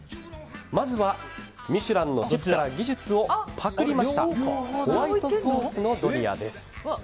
まずは「ミシュラン」のシェフから技術をパクりましたホワイトソースのドリアです。